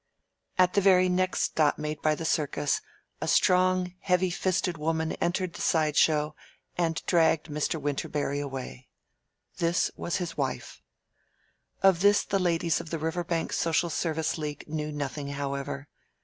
At the very next stop made by the circus a strong, heavy fisted woman entered the side show and dragged Mr. Winterberry away. This was his wife. Of this the ladies of the Riverbank Social Service League knew nothing, however.